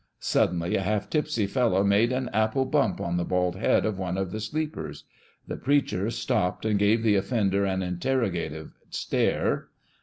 Suddenly a half tipsy fellow made an apple bump on the bald head of one of the sleepers. The preacher stopped and gave the offender an interrogative stare.